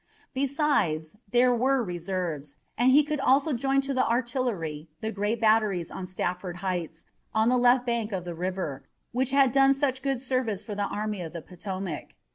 Besides, there were reserves, and he could also join to the artillery the great batteries on Stafford Heights, on the left bank of the river, which had done such good service for the Army of the Potomac.